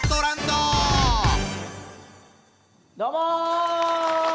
どうも！